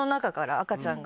赤ちゃんが。